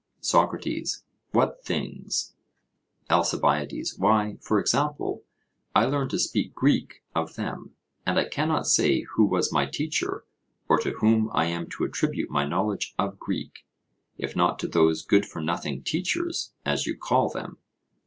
SOCRATES: What things? ALCIBIADES: Why, for example, I learned to speak Greek of them, and I cannot say who was my teacher, or to whom I am to attribute my knowledge of Greek, if not to those good for nothing teachers, as you call them.